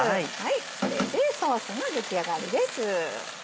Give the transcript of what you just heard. これでソースの出来上がりです。